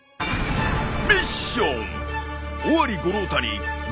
ミッション！